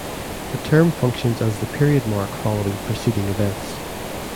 The term functions as the period mark following preceding events.